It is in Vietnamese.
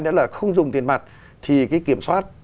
đó là không dùng tiền mặt thì cái kiểm soát